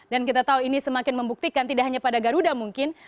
dan kita tahu ini semakin membuktikan tidak hanya pada garuda mungkin